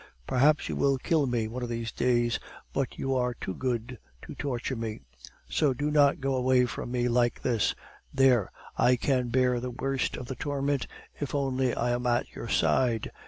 Perhaps you will kill me one of these days, but you are too good to torture me. So do not go away from me like this. There! I can bear the worst of torment, if only I am at your side.